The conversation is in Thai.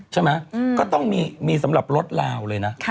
ใช่ไหมก็ต้องมีสำหรับรถลาวเลยนะ